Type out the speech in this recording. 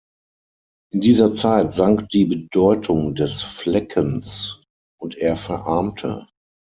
In dieser Zeit sank die Bedeutung des Fleckens und er verarmte.